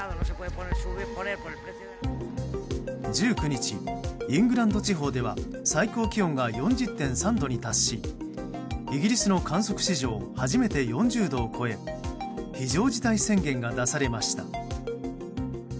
１９日、イングランド地方では最高気温が４０．３度に達しイギリスの観測史上初めて４０度を超え非常事態宣言が出されました。